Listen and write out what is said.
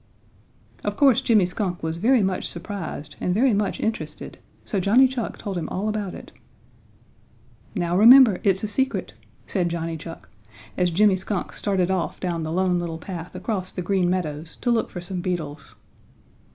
Of course Jimmy Skunk was very much surprised and very much interested, so Johnny Chuck told him all about it. "Now, remember, it's a secret," said Johnny Chuck, as Jimmy Skunk started off down the Lone Little Path across the Green Meadows, to look for some beetles.